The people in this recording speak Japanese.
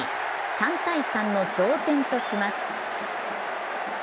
３ー３の同点とします。